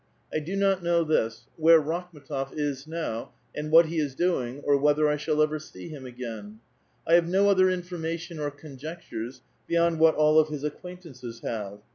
I do not know this : wiiere Raklim^tof is now, and "what he is doing, or whetlier I sliall ever see him again. I liave no other information or conjectures, beyond what all of his acquaintances have.